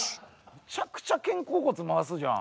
めちゃくちゃ肩甲骨回すじゃん。